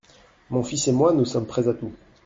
Mon fils et moi, nous sommes prêts à tout.